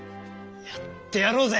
やってやろうぜ！